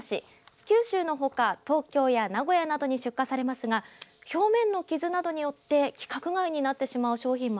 九州のほか、東京や名古屋などに出荷されますが表面の傷などによって規格外になってしまう商品も